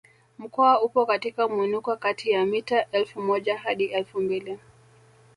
Mkoa upo katika mwinuko kati ya mita elfu moja hadi elfu mbili